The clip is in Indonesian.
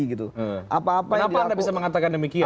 kenapa anda bisa mengatakan demikian